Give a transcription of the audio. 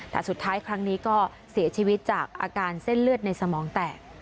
แต่สุดท้ายครั้งนี้ก็เสียชีวิตจากอาการเส้นเลือดในสมองแตก